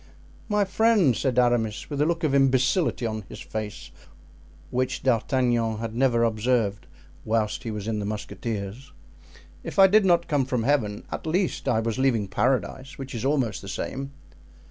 "My friend," said Aramis, with a look of imbecility on his face which D'Artagnan had never observed whilst he was in the musketeers, "if I did not come from Heaven, at least I was leaving Paradise, which is almost the same."